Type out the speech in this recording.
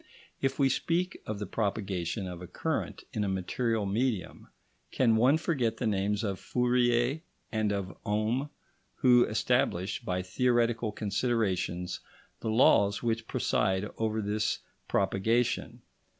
If we speak of the propagation of a current in a material medium, can one forget the names of Fourier and of Ohm, who established by theoretical considerations the laws which preside over this propagation?